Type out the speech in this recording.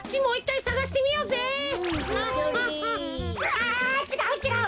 あちがうちがう